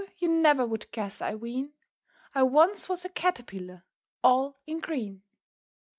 you never would guess, I ween, I once was a Caterpillar all in green.